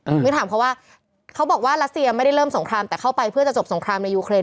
มิ้นถามเขาว่าเขาบอกว่ารัสเซียไม่ได้เริ่มสงครามแต่เข้าไปเพื่อจะจบสงครามในยูเรน